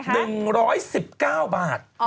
เท่าไหร่ค่ะ๑๑๙บาท